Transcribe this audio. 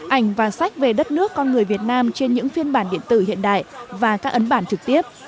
ảnh và sách về đất nước con người việt nam trên những phiên bản điện tử hiện đại và các ấn bản trực tiếp